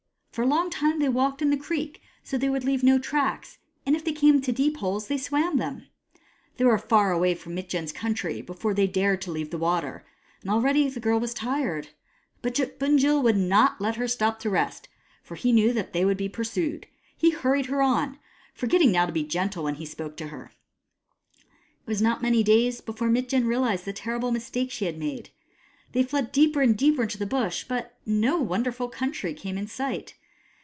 For a long time they walked in the creek, so that they would leave no tracks, and if they came to deep holes, they swam them. They were far away from Mitjen's country before they dared to leave the water, and already the girl was tired. But Bunjil would not let her stop to rest, for he knew that they would be pursued. He hurried her on, forgetting now to be gentle when he spoke to her It was not many days before Mitjen realized the terrible mistake she had made. They fled deeper and deeper into the Bush, but no wonderful country came in sight.